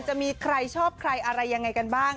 จะมีใครชอบใครอะไรยังไงกันบ้าง